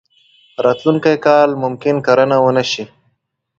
راتلونکی کال ممکن کرنه ونه شي.